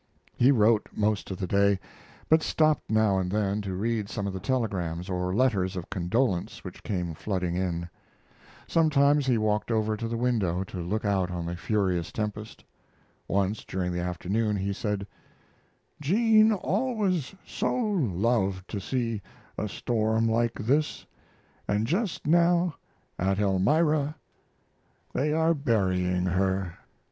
He wrote most of the day, but stopped now and then to read some of the telegrams or letters of condolence which came flooding in. Sometimes he walked over to the window to look out on the furious tempest. Once, during the afternoon, he said: "Jean always so loved to see a storm like this, and just now at Elmira they are burying her."